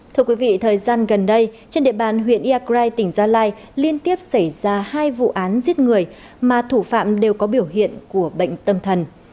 thưa quý vị thời gian gần đây trên địa bàn huyện iakrai tỉnh gia lai liên tiếp xảy ra hai vụ án giết người mà thủ phạm đều có biểu hiện của bệnh tâm thần